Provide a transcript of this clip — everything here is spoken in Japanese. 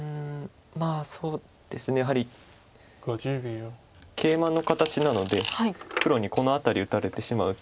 まあそうですねやはりケイマの形なので黒にこの辺り打たれてしまうと。